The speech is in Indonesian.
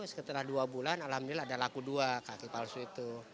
setelah dua bulan alhamdulillah ada laku dua kaki palsu itu